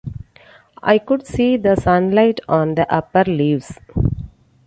I could see the sunlight on the upper leaves.